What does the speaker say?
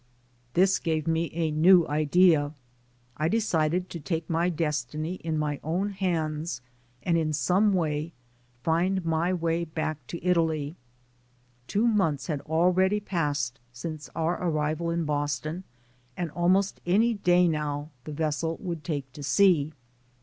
This gave me a new idea. I decided to take my destiny in my own hands and in some way find my way back to Italy. Two months had already passed since our arrival in Boston, and almost any day now the ves sel would take to sea.